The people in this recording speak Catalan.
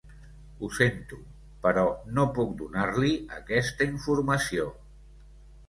Ho sento, però no puc donar-li aquesta informació.